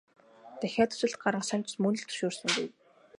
Дахиад хүсэлт гаргасан ч мөн л зөвшөөрсөнгүй.